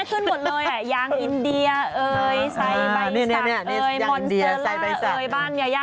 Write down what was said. คุณพ่อค่ะคุณพ่อค่ะ